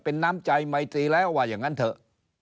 เป็นน้ำใจไมตรีแล้วว่าอย่างนั้นเถอะ